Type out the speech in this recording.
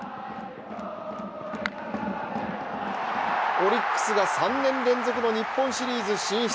オリックスが３年連続の日本シリーズ進出。